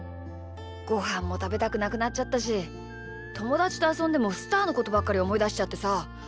ごはんもたべたくなくなっちゃったしともだちとあそんでもスターのことばっかりおもいだしちゃってさ。